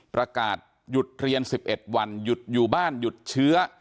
ประกาศหยุดเรียน๑๑วันหยุดอยู่บ้านหยุดเชื้อ